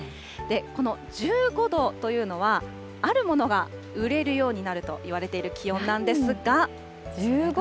この１５度というのは、あるものが売れるようになるといわれている気温なんですが。